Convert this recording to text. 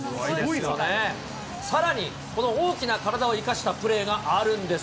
さらにこの大きな体を生かしたプレーがあるんです。